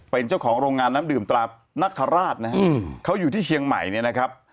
เป็นเจ้าของโรงงานน้ำดื่มตรานักฮราชนะฮะเขาอยู่ที่เชียงใหม่เนี่ยนะครับ